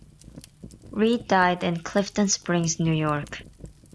Reid died in Clifton Springs, New York.